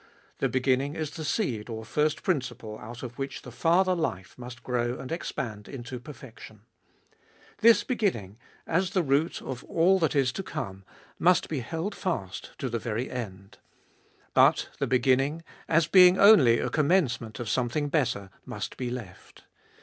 The beginning is the seed or first principle out of which the farther life must grow and expand into perfection. This beginning, as the root of all that 1 Leave the word of the beginning. 204 abe fboliest ot is to come, must be held fast to the very end. But the beginning, as being only a commencement of something better, must be left.